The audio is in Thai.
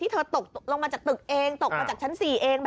เธอตกลงมาจากตึกเองตกมาจากชั้น๔เอง